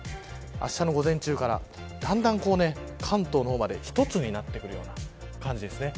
あしたの午前中からだんだん関東の方まで一つになっていく感じですね。